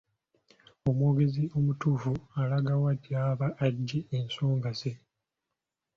Omwogezi omutuufu alaga wa gy'aba aggye ensonga ze.